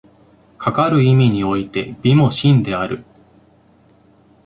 かかる意味において美も真である。